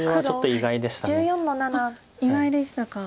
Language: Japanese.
意外でしたか。